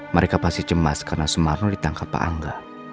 mereka pasti cemas karena sumarno ditangkap pak angga